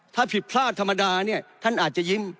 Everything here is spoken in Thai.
ถ้าผิดพลาดธรรมดาเนี่ยท่านอาจจะยิ้ม